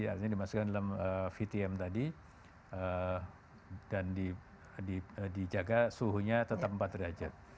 artinya dimasukkan dalam vtm tadi dan dijaga suhunya tetap empat derajat